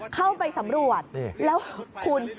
เข้าไปสำรวจแล้วคุณ